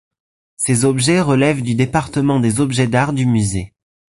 Ces objets relèvent du département des objets d'art du musée.